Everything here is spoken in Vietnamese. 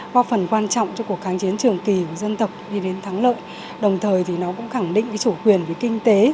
có phần quan trọng cho cuộc kháng chiến trường kỳ của dân tộc đi đến thắng lợi